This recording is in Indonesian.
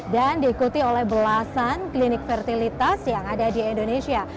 dan diikuti oleh belasan klinik fertilitas yang ada di indonesia